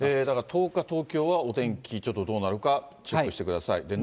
だから１０日、東京はお天気ちょっとどうなるか、チェックしてください。